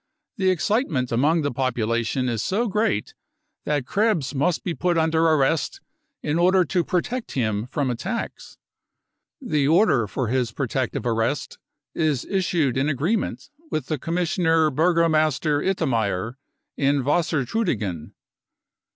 The excitement among the population is so great that Krebs must be put under arrest in order to protect him from attacks. The order for his protective arrest is issued in agreement with the Commissioner Burgomaster Ittameyer in Wassertriid ingen.